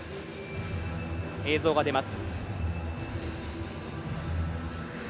映像が出ます。